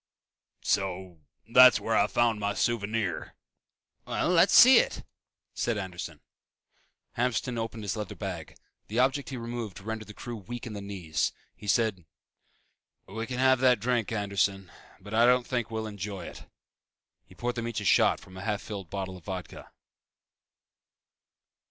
"So that's where I found my souvenir." "Well, let's see it!" said Anderson. Hamston opened his leather bag. The object he removed rendered the crew weak in the knees. He said, "We can have that drink, Anderson, but I don't think we'll enjoy it." He poured them each a shot from a half filled bottle of Vodka.